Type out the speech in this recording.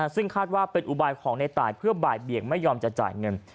ซึ่งคาดว่าเป็นอุบายของในตายเพื่อบ่ายเบี่ยงไม่ยอมจะจ่ายเงิน